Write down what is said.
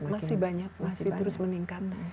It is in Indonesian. masih banyak masih terus meningkat